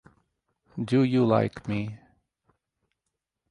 Do you like me?